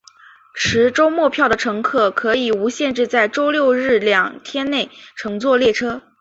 持周末票的乘客可以无限制在周六日两天内乘坐列车。